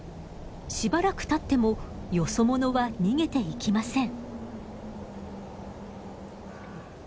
しばらくたってもよそ者は逃げていきません。